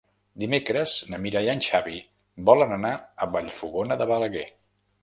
Dimecres na Mira i en Xavi volen anar a Vallfogona de Balaguer.